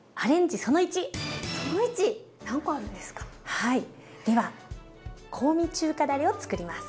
はいでは香味中華だれをつくります。